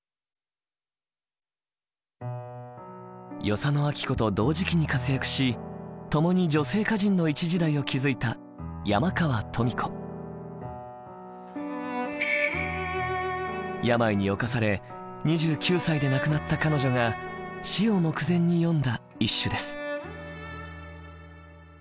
与謝野晶子と同時期に活躍し共に女性歌人の一時代を築いた病に侵され２９歳で亡くなった彼女が死を目前に詠んだ一首です。